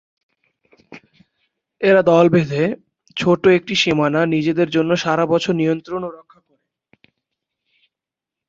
এরা দল বেঁধে ছোট একটি সীমানা নিজেদের জন্য সারাবছর নিয়ন্ত্রণ ও রক্ষা করে।